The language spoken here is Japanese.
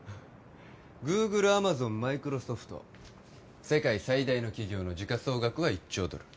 グーグルアマゾンマイクロソフト世界最大の企業の時価総額は１兆ドル